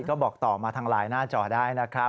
ก็บอกต่อมาทางไลน์หน้าจอได้นะครับ